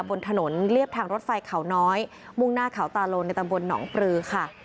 บนถนนเรียบทางรถไฟเขาน้อยมุ่งหน้าเขาตาโลนในตำบลหนองปลือค่ะ